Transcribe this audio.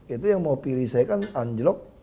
itu yang mau pilih saya kan anjlok